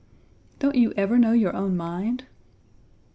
"Don't you ever know your own mind?"